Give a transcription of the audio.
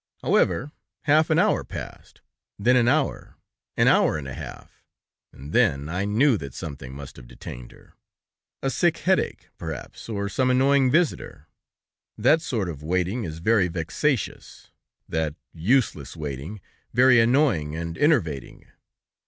However, half an hour passed, then an hour, an hour and a half, and then I knew that something must have detained her; a sick headache, perhaps, or some annoying visitor. That sort of waiting is very vexatious, that ... useless waiting ... very annoying and enervating.